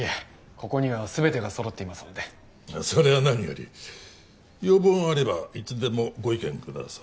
ここには全てが揃っていますのでそれは何より要望があればいつでもご意見ください